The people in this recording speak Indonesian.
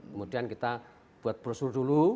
kemudian kita buat brosur dulu